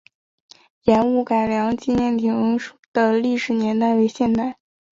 盐务改良纪念亭的历史年代为现代。